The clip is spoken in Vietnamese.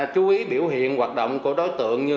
chú ý biểu hiện hoạt động của đối tượng như